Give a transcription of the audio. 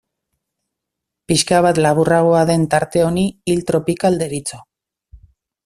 Pixka bat laburragoa den tarte honi hil tropikal deritzo.